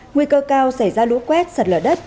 nguy cơ cao xảy ra lũ quét sạt lở đất